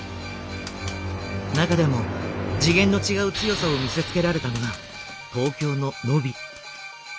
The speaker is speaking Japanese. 中でも次元の違う強さを見せつけられたのが東京のノビ。